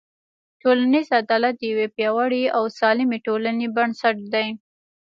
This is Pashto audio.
ټولنیز عدالت د یوې پیاوړې او سالمې ټولنې بنسټ دی.